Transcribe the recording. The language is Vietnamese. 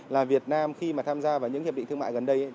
là việt nam khi mà tham gia vào những hiệp định thương mại gần đây